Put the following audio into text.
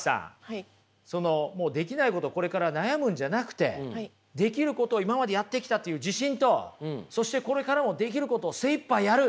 そのもうできないことこれから悩むんじゃなくてできることを今までやってきたという自信とそしてこれからもできることを精いっぱいやる。